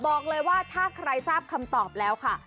บอกเลยว่าถ้าใครทราบคำตอบแล้วค่ะ